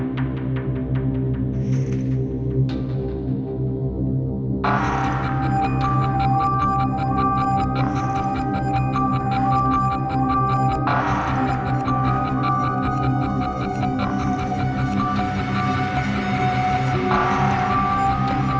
มีใครหายหรือเปล่าที่เราได้ประกาศไปว่ามีใครหายหรือเปล่า